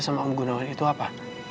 hubungan tante sama om gunawan itu apa